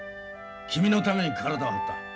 君のために体を張った。